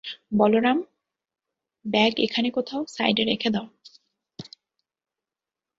Balaram, bag এখানে কোথাও সাইডে রেখে দাও।